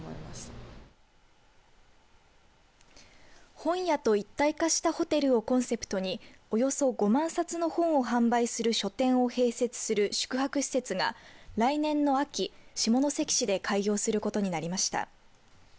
本屋と一体化したホテルをコンセプトにおよそ５万冊の本を販売する書店を併設する宿泊施設が、来年の秋下関市で開業することになりました。